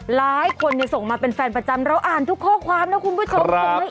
หลายคนส่งมาเป็นแฟนประจำเราอ่านทุกข้อความนะคุณผู้ชม